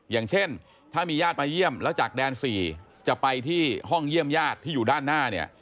อย่างเช่นถ้ามีญาติมาเยี่ยมแล้วจากแดน๔จะไปที่ห้องเยี่ยมญาติที่อยู่ด้านหน้าเนี่ย